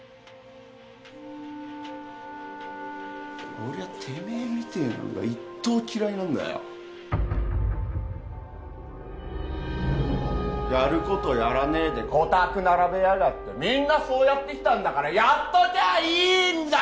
俺はてめえみてえなのがいっとう嫌いなんだよやることやらねえで御託並べやがってみんなそうやってきたんだからやっときゃいいんだよ！